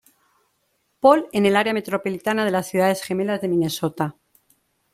Paul en el área metropolitana de las Ciudades Gemelas de Minnesota.